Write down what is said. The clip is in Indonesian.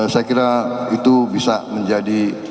saya kira itu bisa menjadi